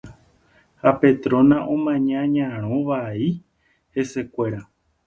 ha Petrona omaña ñarõ vai hesekuéra